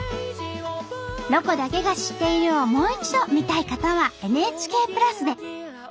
「ロコだけが知っている」をもう一度見たい方はＮＨＫプラスで。